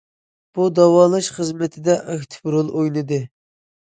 بۇ، داۋالاش خىزمىتىدە ئاكتىپ رول ئوينىدى.